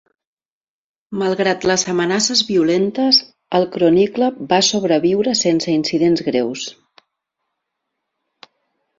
Malgrat les amenaces violentes, el Chronicle va sobreviure sense incidents greus.